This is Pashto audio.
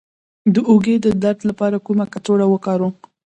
د اوږې د درد لپاره کومه کڅوړه وکاروم؟